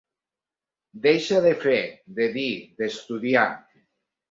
Deixar de fer, de dir, d'estudiar.